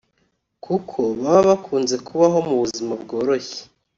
kuko baba bakunze kubaho mu buzima bworoshye